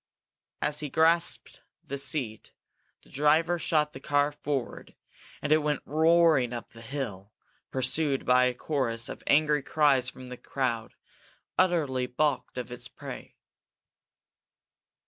As he grasped the seat, the driver shot the car forward and it went roaring up the hill, pursued by a chorus of angry cries from the crowd, utterly balked of its prey.